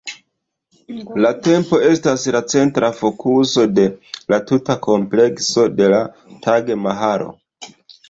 La tombo estas la centra fokuso de la tuta komplekso de la Taĝ-Mahalo.